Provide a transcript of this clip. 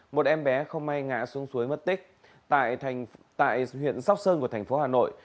một em bé không may ngã xuống suối mất tích tại huyện sóc sơn của thành phố hà nội